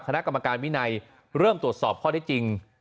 คณะกรรมการวินัยเริ่มตรวจสอบข้อได้จริง